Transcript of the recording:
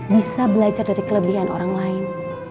bisa belajar dari kelebihan orang lain